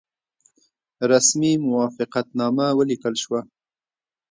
رسمي موافقتنامه ولیکل شوه.